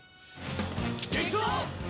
いくぞ！